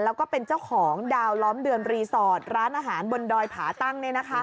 แล้วก็เป็นเจ้าของดาวล้อมเดือนรีสอร์ทร้านอาหารบนดอยผาตั้ง